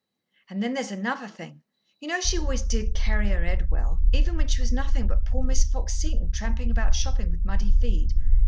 And then there's another thing. You know she always did carry her head well, even when she was nothing but poor Miss Fox Seton tramping about shopping with muddy feet.